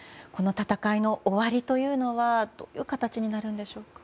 この戦いの終わりというのはどういう形になるんでしょう？